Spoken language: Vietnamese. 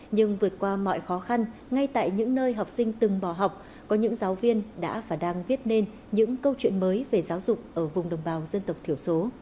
nhưng vượt qua mọi khó khăn ngay tại những nơi học sinh từng bỏ học có những giáo viên đã và đang viết nên những câu chuyện mới về giáo dục ở vùng đồng bào dân tộc thiểu số